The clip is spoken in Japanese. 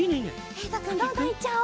えいとくんどんどんいっちゃおう。